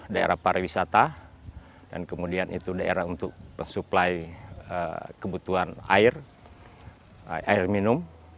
daerah para wisata dan kemudian itu daerah untuk mensupply kebutuhan air air minum